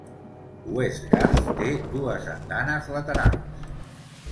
Westgarth té dues andanes laterals.